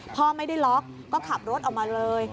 พ่อไม่ได้ล็อกก็ขับรถออกมาเลย